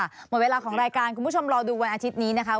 หมดเวลาของรายการคุณผู้ชมรอดูวันอาทิตย์นี้นะคะ